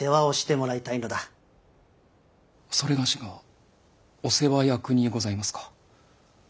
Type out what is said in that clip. それがしがお世話役にございますか。